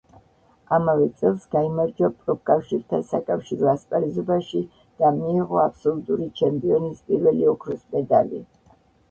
ამავე წელს გაიმარჯვა პროფკავშირთა საკავშირო ასპარეზობაში და მიიღო აბსოლუტური ჩემპიონის პირველი ოქროს მედალი.